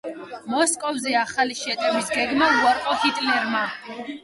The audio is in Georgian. მოსკოვზე ახალი შეტევის გეგმა უარყო ჰიტლერმა.